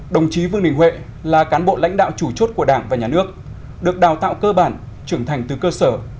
đồng chí vương đình huệ là cán bộ lãnh đạo chủ chốt của đảng và nhà nước được đào tạo cơ bản trưởng thành từ cơ sở